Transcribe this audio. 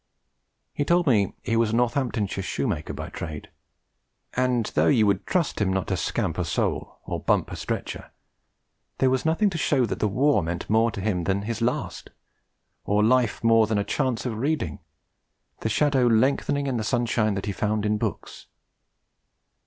He told me he was a Northamptonshire shoemaker by trade; and though you would trust him not to scamp a sole or bump a stretcher, there was nothing to show that the war meant more to him than his last, or life more than a chance of reading the shadow lengthening in the sunshine that he found in books.